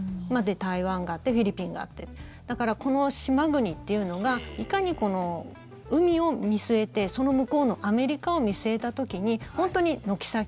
台湾があってフィリピンがあってだから、この島国というのがいかに海を見据えてその向こうのアメリカを見据えた時に本当に軒先、